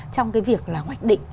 trong cái việc là hoạch định